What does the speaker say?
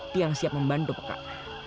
tiang siap membantu pekak